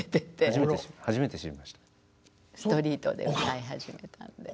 ストリートで歌い始めたんで。